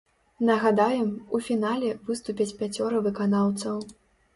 Нагадаем, у фінале выступяць пяцёра выканаўцаў.